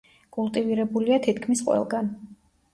კულტივირებულია თითქმის ყველგან.